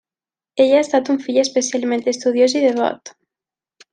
Ell ha estat un fill especialment estudiós i devot.